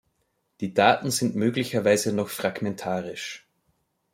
Die Daten sind möglicherweise noch fragmentarisch.